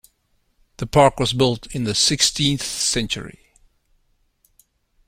The park was built in the sixteenth century.